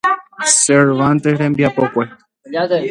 Cervantes rembiapokue.